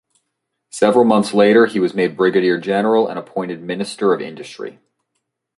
Several months later he was made brigadier general and appointed Minister of Industry.